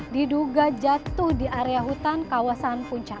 diduga jatuh di area hutan kawasan puncak